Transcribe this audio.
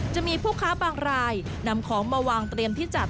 จะมีผู้ค้าบางรายนำของมาวางเตรียมที่จัด